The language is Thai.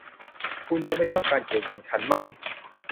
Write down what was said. คุณจะไม่ชอบการเขียนของฉันมั้ย